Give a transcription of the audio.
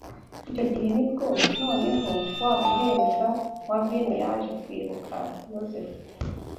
Icyo gihe ni bwo noneho wa muhereza wa vino yaje kwibuka Yozefu